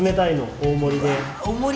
大盛りで。